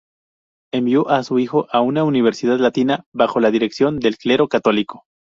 Envió a su hijo a una universidad latina bajo la dirección del clero católico.